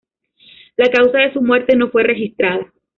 La causa de su muerte no fue registrada.